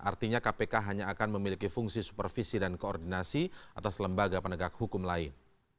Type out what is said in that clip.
artinya kpk hanya akan memiliki fungsi supervisi dan koordinasi atas lembaga penegak hukum lain